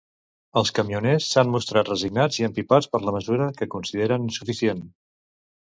Els camioners s'han mostrat resignats i empipats per la mesura, que consideren insuficient.